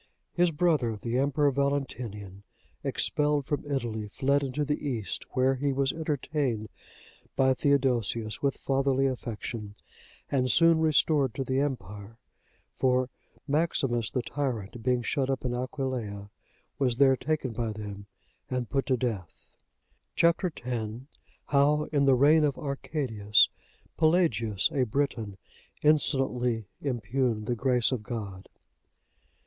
His brother, the Emperor Valentinian, expelled from Italy, fled into the East, where he was entertained by Theodosius with fatherly affection, and soon restored to the empire, for Maximus the tyrant, being shut up in Aquileia, was there taken by them and put to death. Chap. X. How, in the reign of Arcadius, Pelagius, a Briton, insolently impugned the Grace of God.